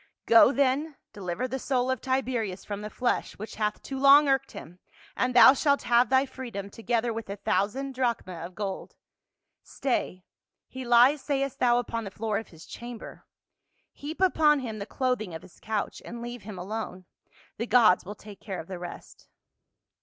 " Go then, deliver the soul of Tiberius from the flesh which hath too long irked him, and thou shalt have thy freedom, together with a thousand drachmae of gold. Stay — he lies, sayest thou, upon the floor of his chamber ; heap upon him the clothing of his couch, and leave him alone ; the gods will take care of the rest."